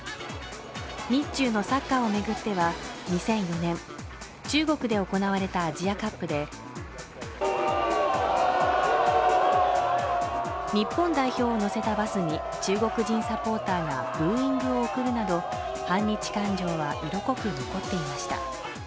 日中のサッカーを巡っては２００４年中国で行われたアジアカップで日本代表を乗せたバスに中国人サポーターがブーイングを送るなど反日感情は色濃く残っていました